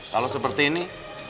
kalau seperti ini